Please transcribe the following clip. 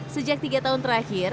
sejak tiga tahun terakhir